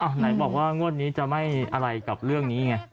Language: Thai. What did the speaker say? ไหนบอกว่างวดนี้จะไม่อะไรกับเรื่องนี้ไง